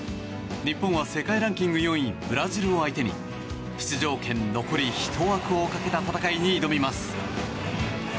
日本は世界ランキング４位ブラジルを相手に出場権残り１枠をかけた戦いに挑みます。